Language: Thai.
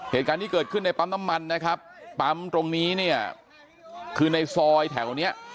เหตุการณ์ที่เกิดขึ้นในปั๊มน้ำมันนะครับปั๊มตรงนี้เนี่ยคือในซอยแถวเนี้ย